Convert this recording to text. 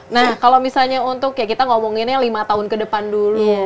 nah kalau misalnya untuk ya kita ngomonginnya lima tahun ke depan dulu